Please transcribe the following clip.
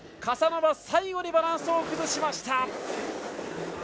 カサノバ最後にバランスを崩しました。